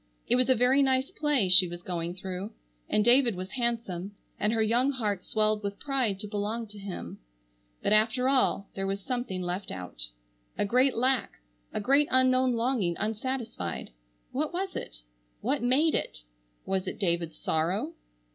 It was a very nice play she was going through, and David was handsome, and her young heart swelled with pride to belong to him, but after all there was something left out. A great lack, a great unknown longing unsatisfied. What was it? What made it? Was it David's sorrow?